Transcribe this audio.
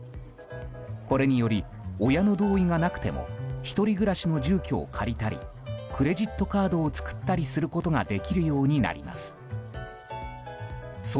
これにより、親の同意がなくても１人暮らしの住居を借りたりクレジットカードを作ったりすることが